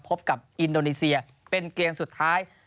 พบกับอินโดนีเซียเป็นเกมสุดท้าย